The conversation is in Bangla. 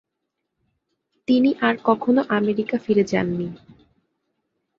তিনি আর কখনো আমেরিকা ফিরে যান নি।